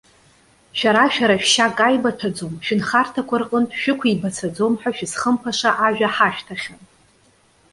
Шәара-шәара шәшьа каибаҭәаӡом, шәынхарҭақәа рҟынтә шәықәибацаӡом ҳәа шәызхымԥаша ажәа ҳашәҭахьан.